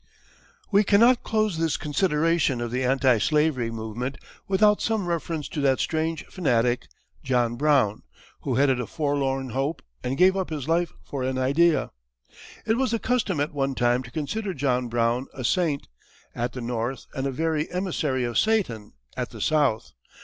We cannot close this consideration of the anti slavery movement without some reference to that strange fanatic, John Brown, who headed a forlorn hope and gave up his life for an idea. It was the custom at one time to consider John Brown a saint, at the north, and a very emissary of Satan, at the south.